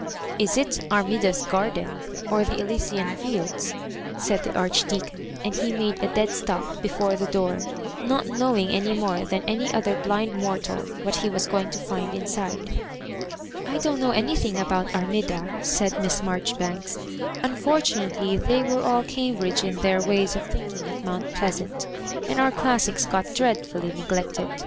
»* Is it Armi da*s garden, or the Elysian fields?" said the Archdeacon; and he made a dead stop before the door, not knowing any more than any other blind mortal what he was going to find in side. ^ 1 don't know anything about Armida," said Miss Maijoribanks ;*' unfortunately they were all Cambridge in their ways of thinking at Mount Pleasant, and our classics got dreadfully ne glected.